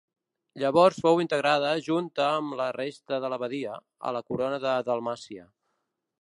Llavors fou integrada junta amb la resta de la badia, a la corona de Dalmàcia.